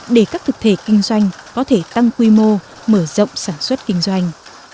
để các thực thể kinh doanh có thể tăng quy mô mở rộng sản xuất kinh doanh